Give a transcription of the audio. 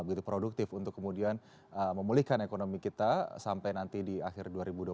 begitu produktif untuk kemudian memulihkan ekonomi kita sampai nanti di akhir dua ribu dua puluh satu